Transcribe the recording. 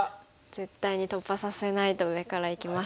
絶対に突破させないと上からいきます。